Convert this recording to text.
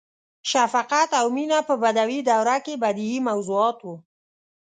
• شفقت او مینه په بدوي دوره کې بدیعي موضوعات وو.